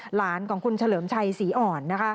หลานของคุณเฉลิมชัยศรีอ่อนนะคะ